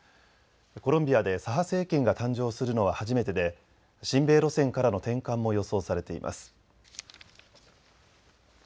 コロンビアで左派政権が誕生するのは初めてで親米路線からの転換も予想されています。